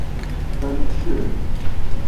真確